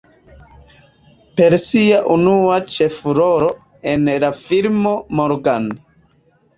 Per sia unua ĉefrolo en la filmo "Morgan.